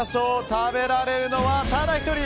食べられるのはただ１人。